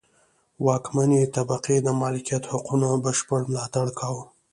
واکمنې طبقې د مالکیت حقونو بشپړ ملاتړ کاوه.